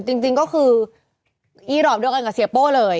จริงก็คืออีรอปเดียวกันกับเสียโป้เลย